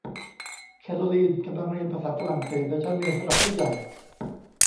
แคโรลีนกำลังเรียนภาษาฝรั่งเศสในชั้นเรียนสำหรับผู้ใหญ่